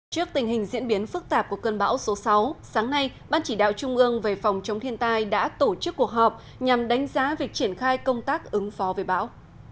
trước tình hình diễn biến phức tạp của cơn bão số sáu sáng nay ban chỉ đạo trung ương về phòng chống thiên tai đã tổ chức cuộc họp nhằm đánh giá việc triển khai công tác ứng phó với bão